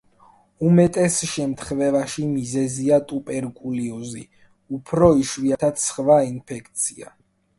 უმეტეს შემთხვევაში მიზეზია ტუბერკულოზი, უფრო იშვიათად სხვა ინფექცია.